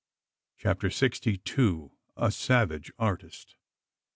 CHAPTER SIXTY TWO. A SAVAGE ARTIST.